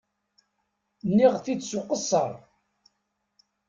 Nniɣ-t-id s uqeṣṣer.